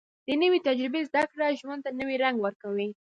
د نوې تجربې زده کړه ژوند ته نوې رنګ ورکوي